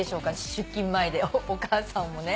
出勤前でお母さんもね。